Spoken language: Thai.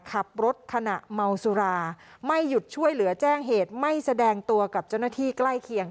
ขับรถขณะเมาสุราไม่หยุดช่วยเหลือแจ้งเหตุไม่แสดงตัวกับเจ้าหน้าที่ใกล้เคียง